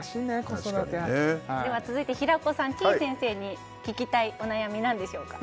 子育ては続いて平子さんてぃ先生に聞きたいお悩み何でしょうか？